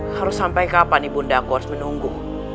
harus sampai kapan ibunda aku harus menunggu